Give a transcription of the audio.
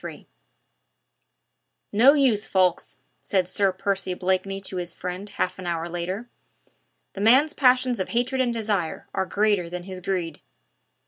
III "No use, Ffoulkes," said Sir Percy Blakeney to his friend half an hour later, "the man's passions of hatred and desire are greater than his greed."